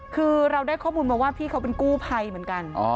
คือเราได้ข้อมูลมาว่าพี่เขาเป็นกู้ภัยเหมือนกัน